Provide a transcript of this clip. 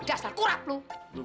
dasar kurap lu